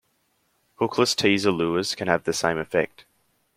Hookless teaser lures can have the same effect.